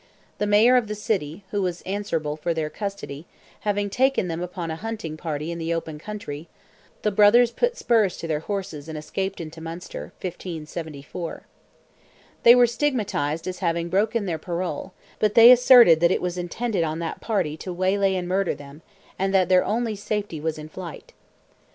The Mayor of the city, who was answerable for their custody, having taken them upon a hunting party in the open country, the brothers put spurs to their horses and escaped into Munster (1574). They were stigmatized as having broken their parole, but they asserted that it was intended on that party to waylay and murder them, and that their only safety was in flight.